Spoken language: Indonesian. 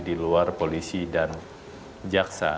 di luar polisi dan jaksa